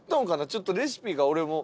ちょっとレシピが俺も。